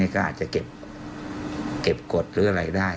ก็อาจจะเก็บกฎหรืออะไรได้